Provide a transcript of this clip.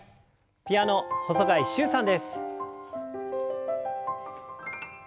ピアノ細貝柊さんです。